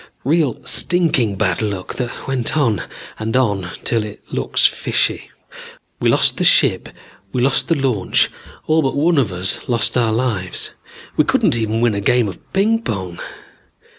Real stinking bad luck that went on and on till it looks fishy. We lost the ship, we lost the launch, all but one of us lost our lives. We couldn't even win a game of ping pong.